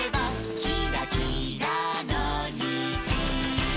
「きらきらのにじ」